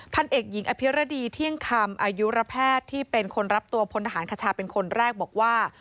พันเอกหญิงอภิรดีเที่ยงคำอายุระแพทย์ที่เป็นคนรับตัวพลทหารคชาเป็นคนแรกบอกว่า